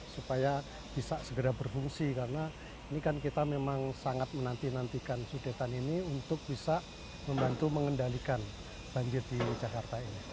supaya bisa segera berfungsi karena ini kan kita memang sangat menanti nantikan sudetan ini untuk bisa membantu mengendalikan banjir di jakarta ini